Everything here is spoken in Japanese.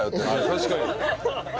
確かに。